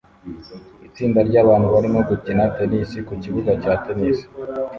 Itsinda ryabantu barimo gukina tennis ku kibuga cya tennis